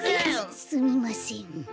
すすみません。